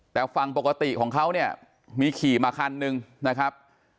แต่ฝั่งปกติของเขาเนี่ยมีขี่มาคันหนึ่งนะครับ